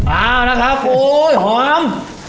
เอาละครับโอ้ยหอม